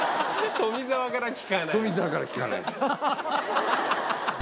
富澤から聞かないです。